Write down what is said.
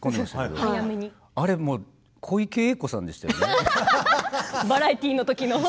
もう小池栄子さんでしたよね。